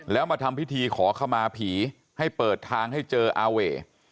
แล้วมาทำพิธีขอขมาผีให้เปิดทางให้เจออาเว่